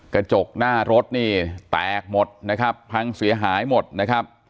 กระจกหน้ารถนี่แตกหมดนะครับพังเสียหายหมดนะครับ